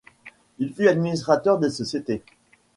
Il fut administrateur de sociétés.